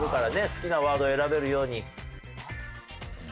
好きなワード選べるように。